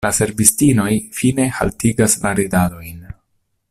La servistinoj fine haltigas la ridadojn.